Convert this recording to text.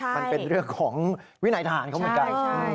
มันเป็นเรื่องของวินัยทหารเข้ามาไกล